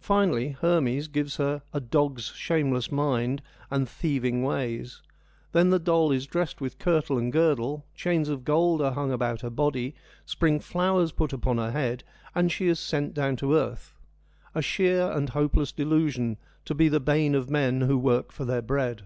Finally, Hermes gives her ' a dog's shameless mind and thieving ways.' Then the doll is diessed with kirtle and girdle, chains of gold are hung about her body, spring flowers put upon her head, and she is sent down to earth. ' A sheer and hopeless delusion, to be the bane of men who work for their bread.'